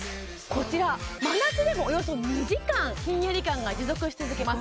こちら真夏でもおよそ２時間ひんやり感が持続し続けます